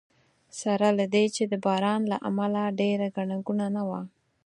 سره له دې چې د باران له امله ډېره ګڼه ګوڼه نه وه.